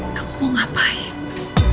kamu mau ngapain